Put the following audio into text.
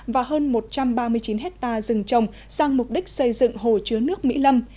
và hơn một trăm ba mươi chín hectare rừng trồng sang mục đích xây dựng hồ chứa nước mỹ lâm